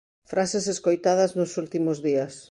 Frases escoitadas nos últimos días.